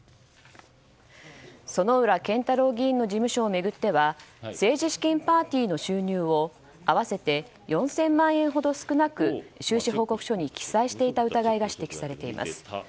薗浦健太郎議員の事務所を巡っては政治資金パーティーの収入を合わせて４０００万円ほど少なく収支報告書に記載していた疑いが指摘されています。